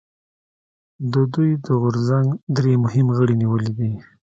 د دوی د غورځنګ درې مهم غړي نیولي دي